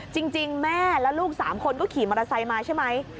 จริงแม่และลูก๓คนก็ขี่มอเตอร์ไซค์มาใช่ไหม